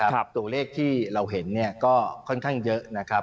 ตัวเลขที่เราเห็นก็ค่อนข้างเยอะนะครับ